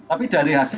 tapi dari hasil